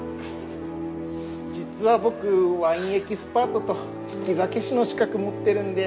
実は僕ワインエキスパートと利き酒師の資格持ってるんで。